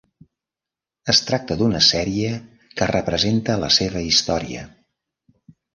Es tracta d'una sèrie que representa la seva història.